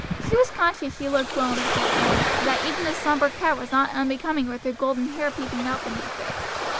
She was conscious she looked well in her deep mourning, and that even the somber cap was not unbecoming with her golden hair peeping out beneath it.